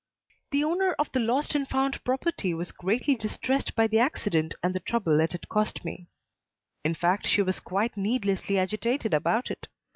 The owner of the lost and found property was greatly distressed by the accident and the trouble it had caused me; in fact she was quite needlessly agitated about it.